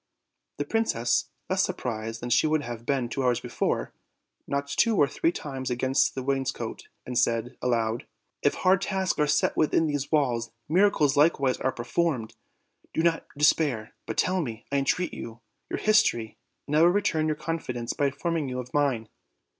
The princess, less surprised than she would have been two hours before, knocked two or three times against the wainscot, and said aloud: "If hard tasks are set within these walls, miracles likewise are performed: do not de spair. But tell me, I entreat you, your history, and I will return your confidence by informing you of mine."